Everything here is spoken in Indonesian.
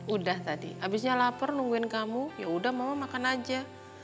udah tadi abisnya lapar nungguin kamu yaudah mama makan aja